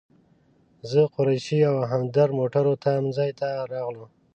زه، قریشي او همدرد موټرو تم ځای ته راغلو.